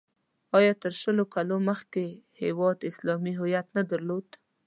آیا تر شلو کالو مخکې هېواد اسلامي هویت نه درلود؟